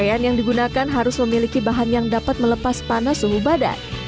pakaian yang digunakan harus memiliki bahan yang dapat melepas panas suhu badan